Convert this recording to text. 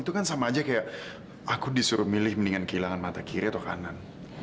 itu kan sama aja kayak aku disuruh milih mendingan kehilangan mata kiri atau kanan